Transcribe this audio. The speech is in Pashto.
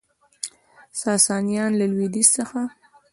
ساسانیان له لویدیځ څخه